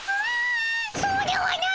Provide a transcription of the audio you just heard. そうではないっ！